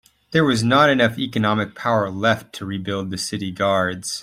There was not enough economic power left to rebuild the city guards.